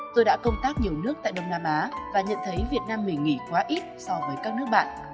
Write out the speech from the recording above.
tôi đã công tác nhiều nước tại đông nam á và nhận thấy việt nam mình nghỉ quá ít so với các nước bạn